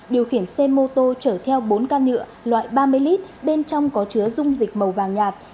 điều khiển xe mô tô chở theo bốn can nhựa loại ba mươi lít bên trong có chứa dung dịch màu vàng nhạt